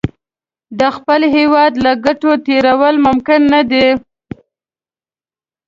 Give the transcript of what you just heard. د خپل هېواد له ګټو تېرول ممکن نه دي.